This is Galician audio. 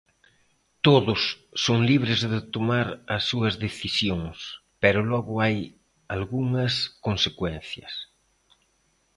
Todos son libres de tomar as súas decisións, pero logo hai algunhas consecuencias.